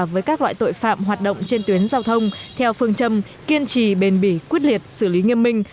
với các loại tội phạm hoạt động trên tuyến giao thông theo phương châm kiên trì bền bỉ quyết liệt xử lý nghiêm minh